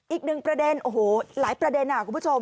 อีกหนึ่งประเด็นโอ้โหหลายประเด็นคุณผู้ชม